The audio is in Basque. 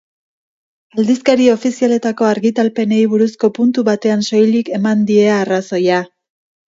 Aldizkari ofizialetako argitalpenei buruzko puntu batean soilik eman die arrazoia.